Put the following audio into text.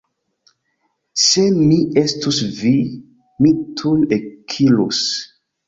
Se mi estus vi, mi tuj ekirus.